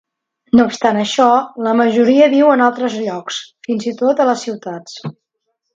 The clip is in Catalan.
No obstant això, la majoria viu en altres llocs, fins i tot a les ciutats.